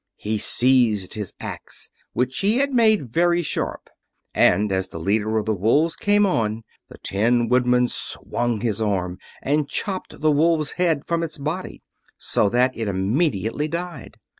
He seized his axe, which he had made very sharp, and as the leader of the wolves came on the Tin Woodman swung his arm and chopped the wolf's head from its body, so that it immediately died.